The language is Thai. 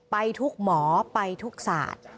ไปทุกหมอไปทุกศาสตร์